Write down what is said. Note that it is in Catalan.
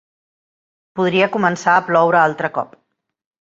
Podria començar a ploure altre cop.